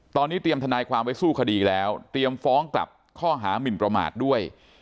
ตอนนี้เตรียมทนายความไว้สู้คดีแล้วเตรียมฟ้องกลับข้อหามินประมาทด้วย